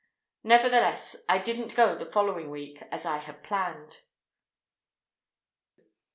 Nevertheless, I didn't go the following week, as I had planned.